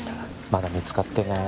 まだ見つかっていない